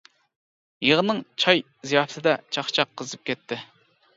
يىغىننىڭ چاي زىياپىتىدە چاقچاق قىزىپ كەتتى.